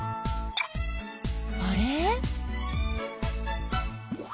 あれ？